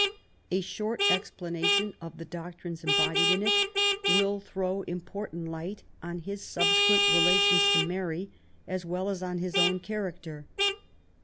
A short explanation of the doctrines em bodied in it will throw important light on his subse quent relations to Mary, as well as on his own charac ter.